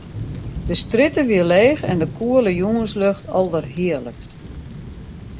De strjitte wie leech en de koele jûnslucht alderhearlikst.